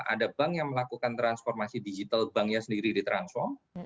ada bank yang melakukan transformasi digital banknya sendiri ditransform